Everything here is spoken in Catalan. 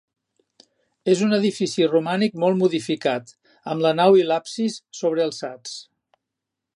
És un edifici romànic molt modificat, amb la nau i l'absis sobrealçats.